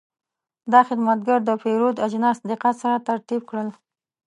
دا خدمتګر د پیرود اجناس دقت سره ترتیب کړل.